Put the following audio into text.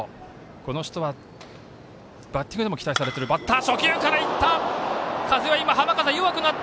この人は、バッティングでも期待されているバッター。